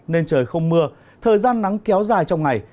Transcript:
nên trời không mưa thời gian nắng kéo dài trong ngày